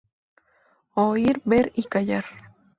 Oír, ver y callar